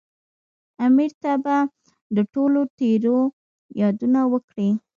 امیر ته به د ټولو تېریو یادونه وکړي.